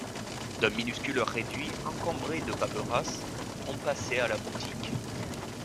D’un minuscule réduit encombré de paperasses, on passait à la boutique